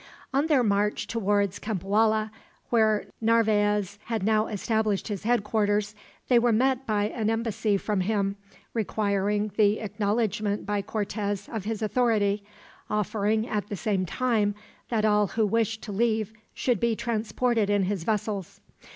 On their march towards Cempoalla, where Narvaez had now established his headquarters, they were met by an embassy from him, requiring the acknowledgment by Cortez of his authority, offering at the same time that all who wished to leave should be transported in his vessels.